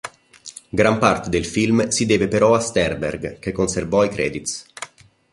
Gran parte del film si deve però a Sternberg che conservò i credits.